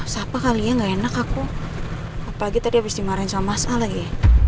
sapa kali ya gak enak aku apalagi tadi abis dimarahin sama mas al lagi